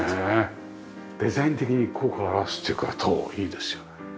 デザイン的に効果をあらわすっていうか籐いいですよね。